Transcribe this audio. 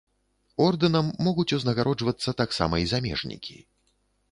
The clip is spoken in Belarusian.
Ордэнам могуць узнагароджвацца таксама і замежнікі.